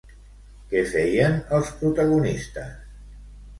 Què feien, els protagonistes?